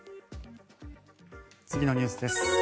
次のニュースです。